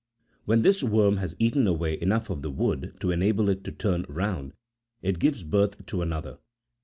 40 "When this worm has eaten away enough of the wood to enable it to turn round, it gives birth to another.